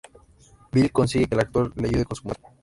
Bill consigue que el Doctor le ayude con su mudanza.